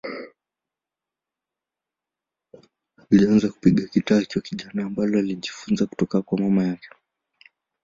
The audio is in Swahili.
Alianza kupiga gitaa akiwa kijana, ambalo alijifunza kutoka kwa mama yake.